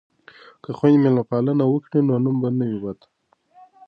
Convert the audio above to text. که خویندې میلمه پالنه وکړي نو نوم به نه وي بد.